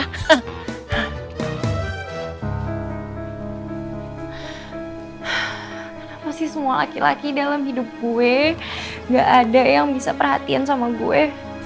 kenapa sih semua laki laki dalam hidup gue gak ada yang bisa perhatian sama gue